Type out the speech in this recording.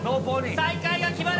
最下位が決まる。